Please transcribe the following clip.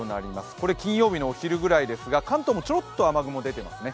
これ、金曜日のお昼ぐらいですが関東もちょろっと雨雲が出ていますね。